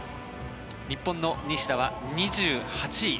日本の西田は２８位。